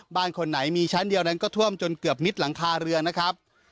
บ้านคนไหนมีชั้นเดียวนั้นก็ท่วมจนเกือบมิดหลังคาเรือนะครับ